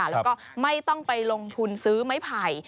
แล้วก็ไม่ต้องไปลงทุนซื้อไม้ไผ่